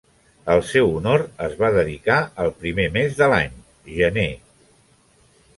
Al seu honor es va dedicar el primer mes de l'any: gener.